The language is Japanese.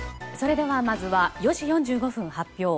それではまずは４時４５分発表